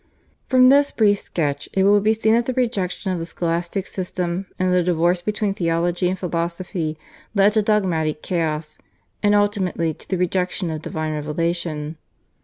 From this brief sketch it will be seen that the rejection of the Scholastic System and the divorce between theology and philosophy led to dogmatic chaos, and ultimately to the rejection of divine revelation.